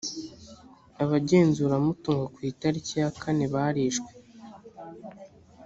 abagenzuramutungo ku itariki yakane barishwe